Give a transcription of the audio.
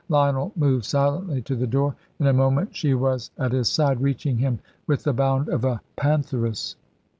Lionel moved silently to the door. In a moment she was at his side, reaching him with the bound of a pantheress.